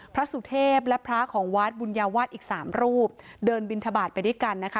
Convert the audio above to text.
พระสุเทพและพระของวัดบุญญาวาสอีกสามรูปเดินบินทบาทไปด้วยกันนะคะ